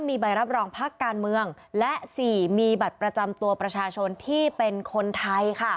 มีใบรับรองพักการเมืองและ๔มีบัตรประจำตัวประชาชนที่เป็นคนไทย